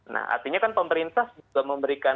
nah artinya kan pemerintah juga memberikan